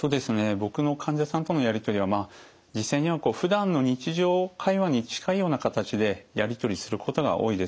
僕の患者さんとのやり取りは実際にはふだんの日常会話に近いような形でやり取りすることが多いです。